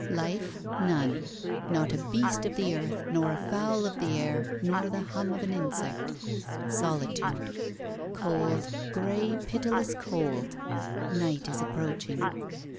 Life none; not a beast of the earth, nor a fowl of the air, nor the hum of an insect. Solitude. Cold grey, pitiless cold. Night is approaching.